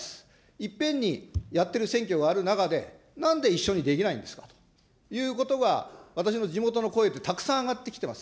いっぺんにやってる選挙がある中で、なんで一緒にできないんですかということが、私の地元の声でたくさん上がってきてます。